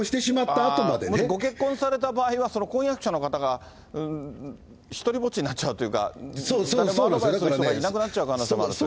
ご結婚された場合は、その婚約者の方が、ひとりぼっちになっちゃうというか、誰もアドバイスする人がいなくなっちゃう可能性もあるという。